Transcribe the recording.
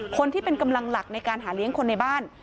คนที่เป็นกำลังหลักในการหาเลี้ยงคนในบ้าน